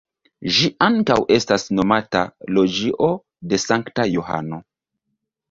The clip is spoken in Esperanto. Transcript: Ĝi ankaŭ estas nomata Loĝio de Sankta Johano.